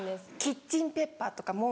キッチンペッパーとかも。